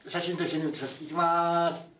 いきまーす。